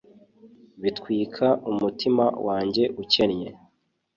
bitwika umutima wanjye ukennye